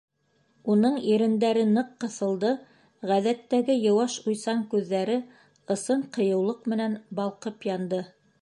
Уның ирендәре ныҡ ҡыҫылды, ғәҙәттәге йыуаш, уйсан күҙҙәре ысын ҡыйыулыҡ менән балҡып янды.